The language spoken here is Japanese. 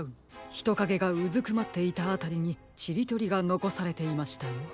ひとかげがうずくまっていたあたりにちりとりがのこされていましたよ。